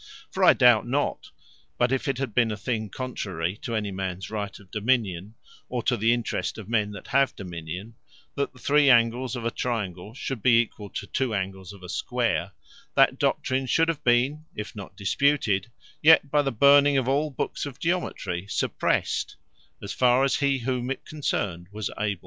For I doubt not, but if it had been a thing contrary to any mans right of dominion, or to the interest of men that have dominion, That The Three Angles Of A Triangle Should Be Equall To Two Angles Of A Square; that doctrine should have been, if not disputed, yet by the burning of all books of Geometry, suppressed, as farre as he whom it concerned was able.